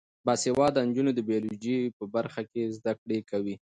باسواده نجونې د بیولوژي په برخه کې زده کړې کوي.